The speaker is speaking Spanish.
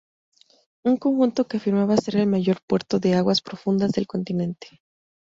Un conjunto que afirmaba ser el mayor puerto de aguas profundas del continente.